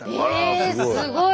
えすごい！